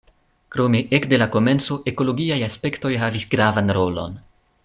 Krome ekde la komenco ekologiaj aspektoj havis gravan rolon.